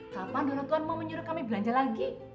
kenapa dorotuan mau menyuruh kami belanja lagi